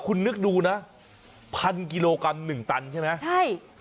คุณนึกดูนะ๑๐๐๐กิโลกรัม๑ตันใช่ไหม